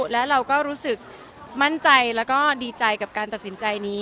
และเราก็รู้สึกมั่นใจแล้วก็ดีใจกับการตัดสินใจนี้